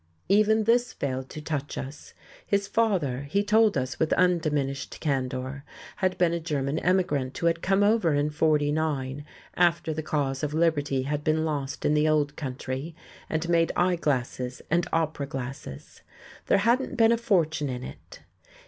Even this failed to touch us. His father he told us with undiminished candour had been a German emigrant who had come over in '49, after the cause of liberty had been lost in the old country, and made eye glasses and opera glasses. There hadn't been a fortune in it.